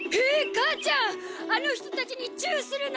母ちゃんあの人たちにチューするの？